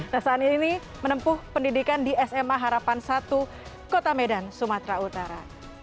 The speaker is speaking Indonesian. resahan ini menempuh pendidikan di sma harapan satu kota medan sumatera utara